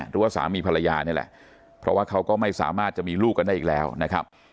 หรือว่าสามีภรรยานี่แหละเพราะว่าเขาก็ไม่สามารถจะมีลูกกันได้อีกแล้วนะครับ